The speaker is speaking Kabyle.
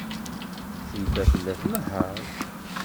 Crifa tella tnehheṛ.